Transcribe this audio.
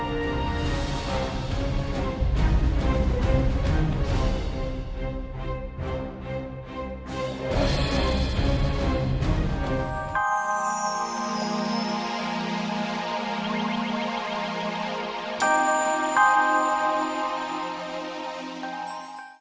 saya ikhlas berkorban pak